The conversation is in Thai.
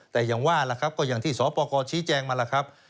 แต่อย่างว่าล่ะครับก็อย่างที่สปกรชี้แจงมาล่ะครับ